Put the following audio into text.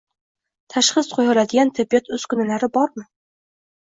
Tashxis qo‘ya oladigan tibbiyot uskunalari bormi?